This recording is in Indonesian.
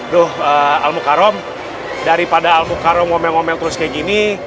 duh almukarom daripada almukarom ngomel ngomel terus kayak gini